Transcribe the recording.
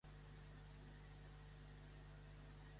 "Pabbi minn" és una versió islandesa de "O Mein Papa".